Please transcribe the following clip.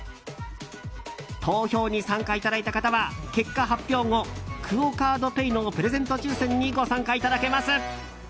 投票に参加いただいた方は結果発表後クオ・カードペイのプレゼント抽選にご参加いただけます。